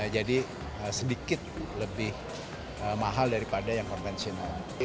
jadi sedikit lebih mahal daripada yang konvensional